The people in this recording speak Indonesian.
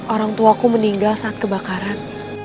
orang tuaku meninggal saat kebakaran